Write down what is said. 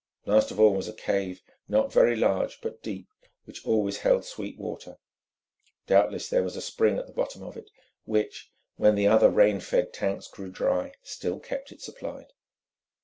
Last of all was a cave, not very large, but deep, which always held sweet water. Doubtless there was a spring at the bottom of it, which, when the other rain fed tanks grew dry, still kept it supplied.